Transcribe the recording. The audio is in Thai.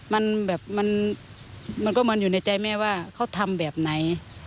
มันแบบมันก็มันอยู่ในใจแม่ว่าเขาทำแบบไหน